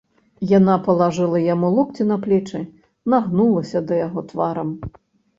Яна палажыла яму локці на плечы, нагнулася да яго тварам.